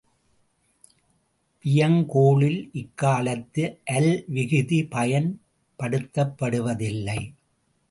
வியங்கோளில் இக்காலத்தில் அல் விகுதி பயன் படுத்தப்படுவதில்லை.